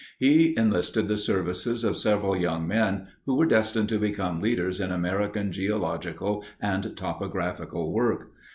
He enlisted the services of several young men who were destined to become leaders in American geological and topographical work.